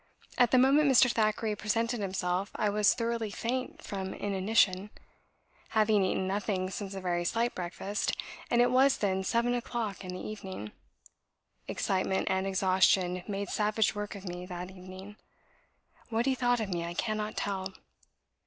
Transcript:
At the moment Mr. Thackeray presented himself, I was thoroughly faint from inanition, having eaten nothing since a very slight breakfast, and it was then seven o'clock in the evening. Excitement and exhaustion made savage work of me that evening. What he thought of me I cannot tell."